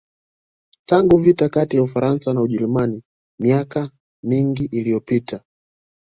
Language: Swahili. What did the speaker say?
Tangu vita kati ya Ufaransa na Ujerumani mika mingi iliyopita